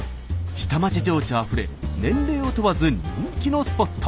下町情緒あふれ年齢を問わず人気のスポット。